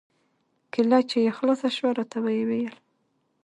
کېله چې يې خلاصه سوه راته ويې ويل.